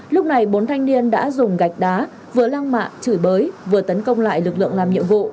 lúc này bốn thanh niên đã dùng gạch đá vừa lăng mạ chửi bới vừa tấn công lại lực lượng làm nhiệm vụ